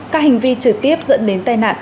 các hành vi trực tiếp dẫn đến tai nạn